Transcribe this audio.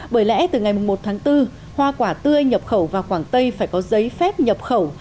bởi lẽ từ ngày một tháng bốn hoa quả tươi nhập khẩu vào quảng tây phải có giấy phép nhập khẩu